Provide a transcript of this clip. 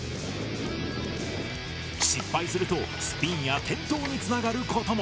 失敗するとスピンや転倒につながることも。